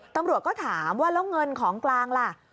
ตำรวจก็ถามว่าแล้วเงินของกลางล่ะ